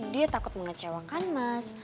dia takut mengecewakan mas